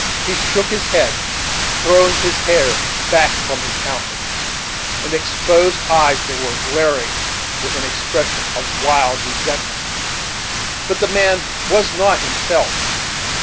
He shook his head, throwing his hair back from his countenance, and exposed eyes that were glaring with an expression of wild resentment. But the man was not himself.